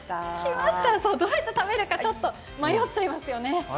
どうやって食べるか、迷っちゃいますよね。